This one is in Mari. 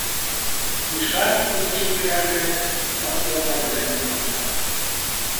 Кишан пӱнчӧ кряжет йыҥгырла веле муралта.